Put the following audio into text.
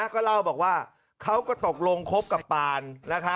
เขามาหลอกของผมกลัวอยู่หน้า